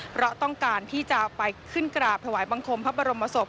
เพราะต้องการที่จะไปขึ้นกราบถวายบังคมพระบรมศพ